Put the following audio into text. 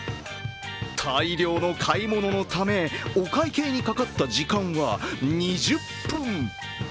大量の買い物のため、お会計にかかった時間は２０分。